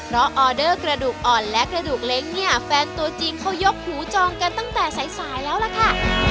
เพราะออเดอร์กระดูกอ่อนและกระดูกเล้งเนี่ยแฟนตัวจริงเขายกหูจองกันตั้งแต่สายสายแล้วล่ะค่ะ